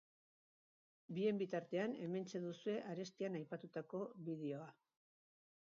Bien bitartean hementxe duzue arestian aipatutako bideoa.